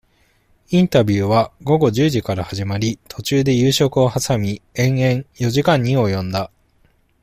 インタビューは、午後十時から始まり、途中で夕食をはさみ、延々、四時間に及んだ。